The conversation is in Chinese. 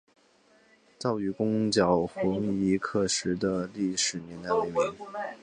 赵纾攻剿红夷刻石的历史年代为明。